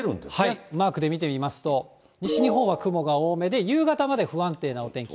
マークで見てみますと、西日本は雲が多めで、夕方まで不安定なお天気。